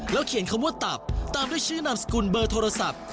เขียนคำว่าตับตามด้วยชื่อนามสกุลเบอร์โทรศัพท์